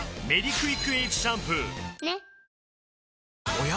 おや？